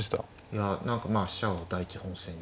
いや何かまあ飛車を第１本線で。